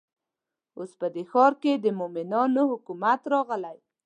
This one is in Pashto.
اوس په دې ښار کې د مؤمنانو حکومت راغلی.